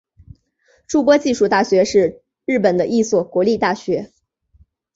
筑波技术大学是日本的一所国立大学。